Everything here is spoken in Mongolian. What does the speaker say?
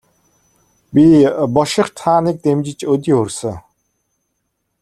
Би бошигт хааныг дэмжиж өдий хүрсэн.